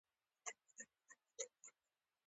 یو یې داخلي او بل یې خارجي اړخ دی.